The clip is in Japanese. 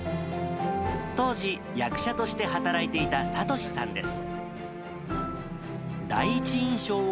当時、役者として働いていた聡さんです。